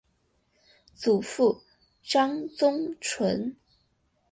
祖父张宗纯。